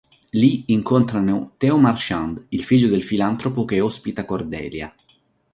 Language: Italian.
Lì incontrano Theo Marchand, il figlio del filantropo che ospita Cordelia.